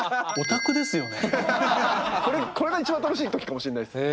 これが一番楽しい時かもしんないですね。